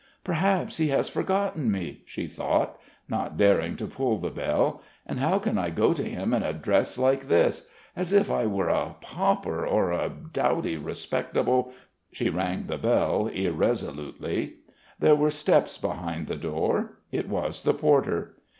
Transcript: "Perhaps he has forgotten me..." she thought, not daring to pull the bell. "And how can I go up to him in a dress like this? As if I were a pauper, or a dowdy respectable..." She rang the bell irresolutely. There were steps behind the door. It was the porter.